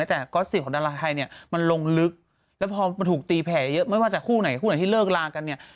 ที่มันถูกตีแผลเยอะไม่ว่าแต่คู่ไหนที่เลิกลากัน